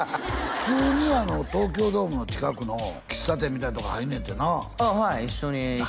普通に東京ドームの近くの喫茶店みたいなとこ入るねんてなあはい一緒に行きますね